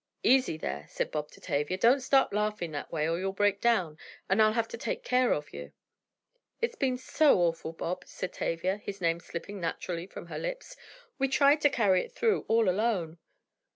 "Easy there," said Bob to Tavia, "don't start laughing that way, or you'll break down, and I'll have to take care of you." "It's been so awful, Bob," said Tavia, his name slipping naturally from her lips. "We tried to carry it through all alone!"